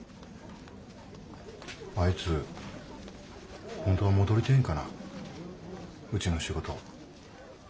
あいつ本当は戻りてんかなうちの仕事。